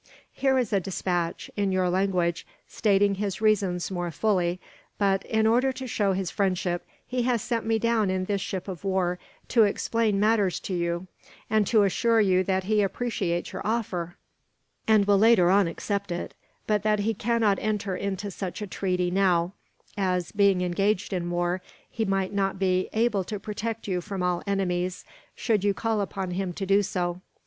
"Here is a despatch, in your language, stating his reasons more fully but, in order to show his friendship, he has sent me down in this ship of war to explain matters to you, and to assure you that he appreciates your offer, and will later on accept it; but that he cannot enter into such a treaty now as, being engaged in war, he might not be able to protect you from all enemies, should you call upon him to do so.